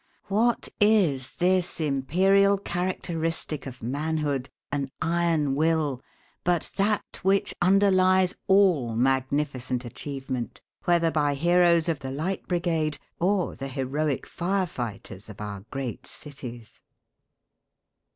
What is this imperial characteristic of manhood, an iron will, but that which underlies all magnificent achievement, whether by heroes of the "Light Brigade" or the heroic fire fighters of our great cities?